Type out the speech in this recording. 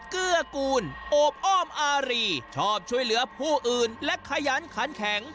เกื้อกูลโอบอ้อมอารีชอบช่วยเหลือผู้อื่นและขยันขันแข็ง